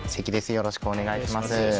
よろしくお願いします。